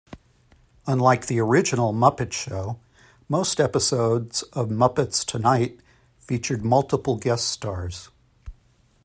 Unlike the original "Muppet Show", most episodes of "Muppets Tonight" featured multiple guest stars.